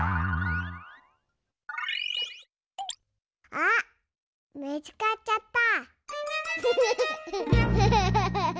あっみつかっちゃった！